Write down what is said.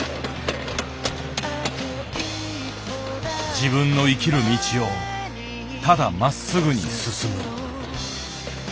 自分の生きる道をただまっすぐに進む。